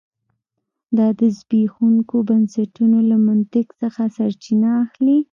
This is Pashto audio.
دا د زبېښونکو بنسټونو له منطق څخه سرچینه اخلي